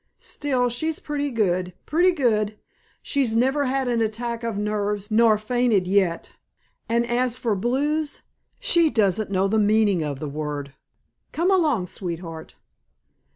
Still, she's pretty good, pretty good. She's never had an attack of nerves, nor fainted yet. And as for 'blues' she doesn't know the meaning of the word. Come along, sweetheart."